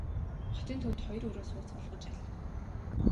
Хотын төвд хоёр өрөө сууц олгож аль.